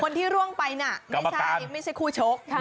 ร่วงไปน่ะไม่ใช่ไม่ใช่คู่ชก